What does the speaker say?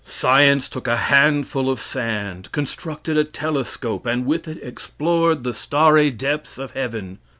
Science took a handful of sand, constructed a telescope, and with it explored the starry depths of heaven.